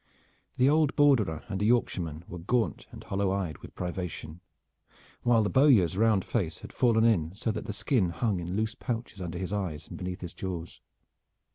The old Borderer and the Yorkshireman were gaunt and hollow eyed with privation, while the bowyer's round face had fallen in so that the skin hung in loose pouches under his eyes and beneath his jaws.